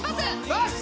パス